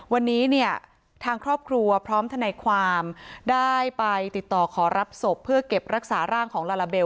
วันนี้เนี่ยทางครอบครัวพร้อมทนายความได้ไปติดต่อขอรับศพเพื่อเก็บรักษาร่างของลาลาเบล